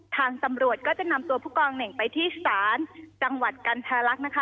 ทางตำรวจก็จะนำตัวผู้กองเหน่งไปที่ศาลจังหวัดกันทรลักษณ์นะคะ